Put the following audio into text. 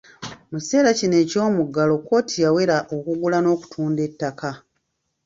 Mu kiseera kino eky’omuggalo kkooti yawera okugula n’okutunda ettaka.